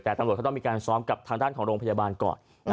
ต้องมีการซ้อมกับทางด้านของโรงพยาบาลก่อน